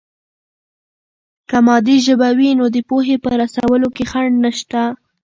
که مادي ژبه وي، نو د پوهې په رسولو کې خنډ نشته.